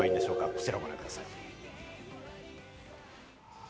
こちらをご覧ください。